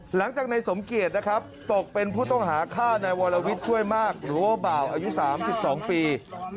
หลังจากในสมเกียจนะครับตกเป็นผู้ต้องหาฆ่านายวรวิทย์ช่วยมากหรือว่าบ่าวอายุ๓๒ปี